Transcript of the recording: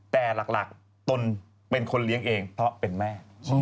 แต่หลักตนเป็นคนเลี้ยงเองเพราะเป็นแม่